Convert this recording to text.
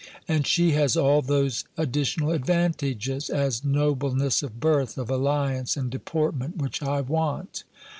And she has all those additional advantages, as nobleness of birth, of alliance, and deportment, which I want.